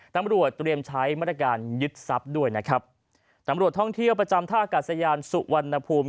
ตำรวจเตรียมใช้มาตรการยึดทรัพย์ด้วยนะครับตำรวจท่องเที่ยวประจำท่าอากาศยานสุวรรณภูมิ